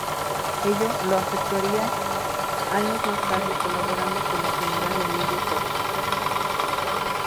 Ello lo efectuaría años más tarde colaborando con el General Emilio Körner.